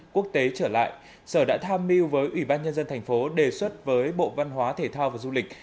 quốc tế trở lại sở đã tham mưu với ủy ban nhân dân thành phố đề xuất với bộ văn hóa thể thao và du lịch